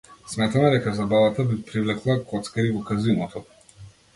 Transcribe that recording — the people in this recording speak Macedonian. Сметаме дека забавата би привлекла коцкари во казиното.